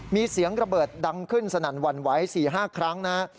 มีเสียงระเบิดดังขึ้นสนั่นหวั่นไหว๔๕ครั้งนะฮะ